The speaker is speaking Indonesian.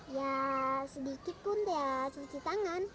ya sedikit pun ya cuci tangan